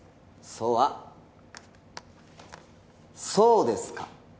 「そ」は「そうですか」